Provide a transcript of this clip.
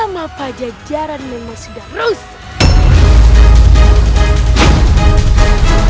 nama pajak jaranmu sudah rusak